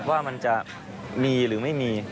ว่ามันจะมีหรือไม่มี